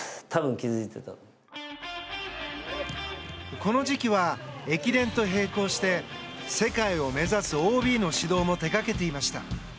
この時期は駅伝と並行して世界を目指すＯＢの指導も手掛けていました。